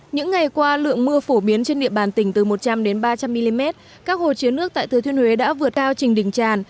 những ngày qua lượng mưa phổ biến trên địa bàn tỉnh từ một trăm linh ba trăm linh mm các hồ chứa nước tại thừa thiên huế đã vượt cao trình đỉnh tràn